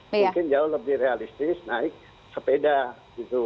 mungkin jauh lebih realistis naik sepeda gitu